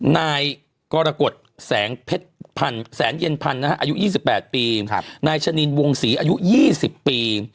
นายกรกฎแสงเย็นพันธุ์อายุ๒๘ปีนายชะนีนวงศรีอายุ๒๐ปี